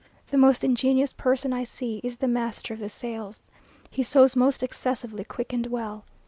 The most ingenious person I see is "the master of the sails." He sews most excessively quick and well.